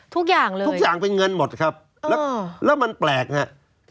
ทุกอย่างเลยทุกอย่างเป็นเงินหมดครับแล้วแล้วมันแปลกฮะ